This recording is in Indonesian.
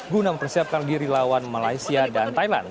guna mempersiapkan diri lawan malaysia dan thailand